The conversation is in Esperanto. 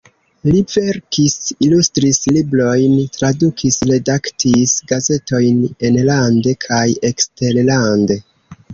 Li verkis, ilustris librojn, tradukis, redaktis gazetojn enlande kaj eksterlande.